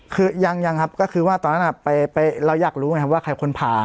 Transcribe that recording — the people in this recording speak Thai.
คือยังครับก็คือว่าตอนนั้นเราอยากรู้ไหมครับว่าใครคนผ่า